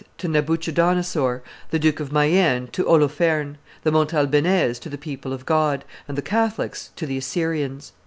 to Nabuchodonosor, the Duke of Mayenne to Holofernes, the Montalbanese to the people of God, and the Catholics to the Assyrians.